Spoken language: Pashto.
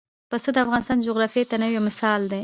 پسه د افغانستان د جغرافیوي تنوع یو مثال دی.